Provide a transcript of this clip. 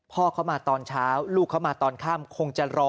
พ่อเขามาตอนเช้าลูกเขามาตอนค่ำคงจะรอ